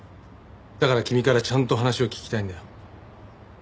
だから君からちゃんと話を聞きたいんだよ。